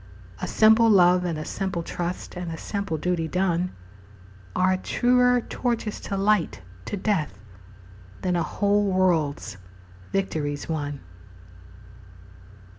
A simple love and a simple trust And a simple duty done Are truer torches to light to death Than a whole world's victories won.